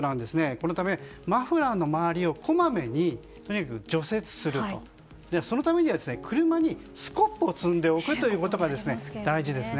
このため、マフラーの周りをこまめに除雪するとそのためには車にスコップを積んでおくということが大事ですね。